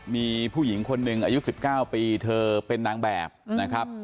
มีผู้หญิงคนหนึ่งอายุ๑๙ปีเธอเป็นนางแบบนะครับ